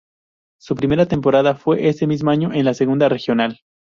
Su primera temporada fue ese mismo año en la Segunda Regional.